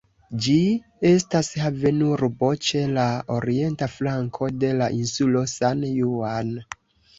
Ĝi estas havenurbo ĉe la orienta flanko de la insulo San Juan.